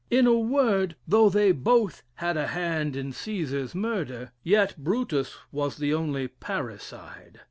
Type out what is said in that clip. In a word, though they both, had a hand in Cæsar's murder, yet Brutus was the only parricide.